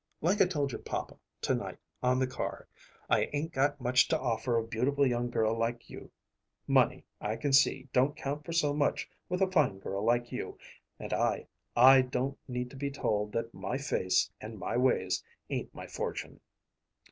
"Like I told your papa to night on the car, I 'ain't got much to offer a beautiful young girl like you; money, I can see, don't count for so much with a fine girl like you, and I I don't need to be told that my face and my ways ain't my fortune."